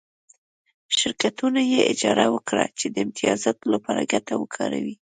شرکتونو ته یې اجازه ورکړه چې د امتیازاتو لپاره ګټه وکاروي